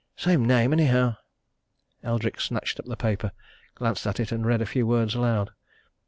Same name, anyhow!" Eldrick snatched up the paper, glanced at it and read a few words aloud.